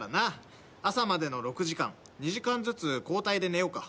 朝までの６時間２時間ずつ交代で寝ようか。